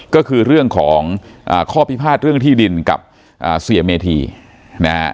ก็คือเรื่องของข้อพิพาทเรื่องที่ดินกับเสียเมธีนะฮะ